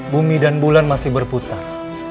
bumi dan bulan masih berputar